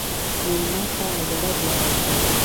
مېلمه ته له زړه دعا وکړئ.